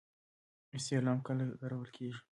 استعلام کله کارول کیږي؟